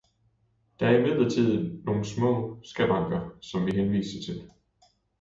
Der er imidlertid nogle skavanker, som vi henviste til.